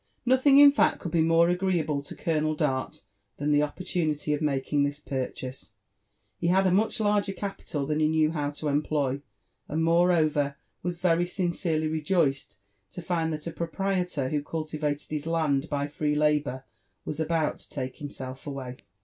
Nothing, in fact, could be more agreeable to Colonel Dart than the opportunity of making this purchase. He had a much larger capital than he knew how to employ; and, moreover, was very sincerely re joiced to find that a proprietor who cultivated his land by free labour was about to take himself away.